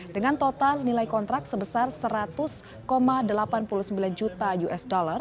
dengan total nilai kontrak sebesar seratus delapan puluh sembilan juta usd